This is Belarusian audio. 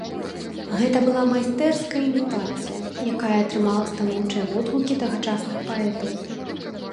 Гэта была майстэрская імітацыя, якая атрымала станоўчыя водгукі тагачасных паэтаў.